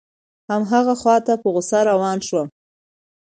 هماغه خواته په غوسه روان شوم.